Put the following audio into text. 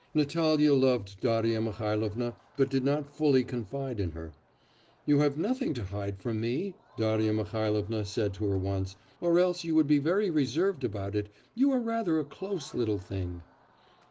Natalya loved Darya Mihailovna, but did not fully confide in her. 'You have nothing to hide from me,' Darya Mihailovna said to her once, 'or else you would be very reserved about it; you are rather a close little thing.